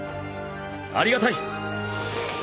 ありがたい。